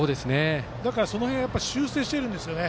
だから、その辺修正しているんですよね。